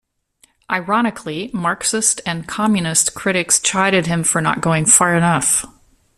Ironically, Marxist and Communist critics chided him for not going far enough.